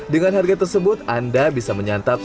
dengan harga tersebut anda bisa menyantap